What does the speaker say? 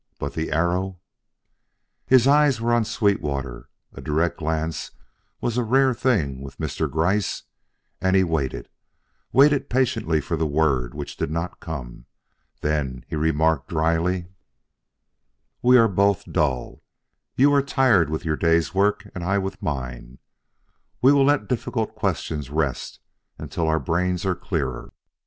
But the arrow " His eyes were on Sweetwater (a direct glance was a rare thing with Mr. Gryce), and he waited waited patiently for the word which did not come; then he remarked dryly: "We are both dull; you are tired with your day's work and I with mine: we will let difficult questions rest until our brains are clearer.